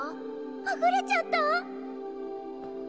はぐれちゃった⁉